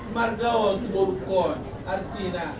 margao tuburukun artina